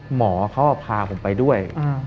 หมอเขาพาผมไปด้วย